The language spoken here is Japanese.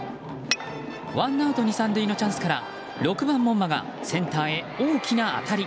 ワンアウト２、３塁のチャンスから６番、門間がセンターへ大きな当たり。